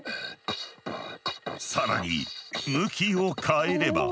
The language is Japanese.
更に向きを変えれば。